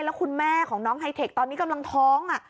แล้วคุณแม่ของน้องไฮเทคตอนนี้กำลังท้อง